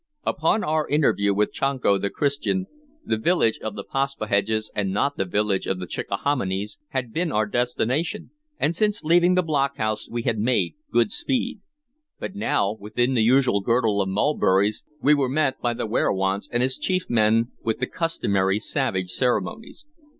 Until our interview with Chanco the Christian, the village of the Paspaheghs, and not the village of the Chickahominies, had been our destination, and since leaving the block house we had made good speed; but now, within the usual girdle of mulberries, we were met by the werowance and his chief men with the customary savage ceremonies.